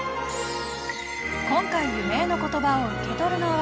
今回夢への言葉を受け取るのは。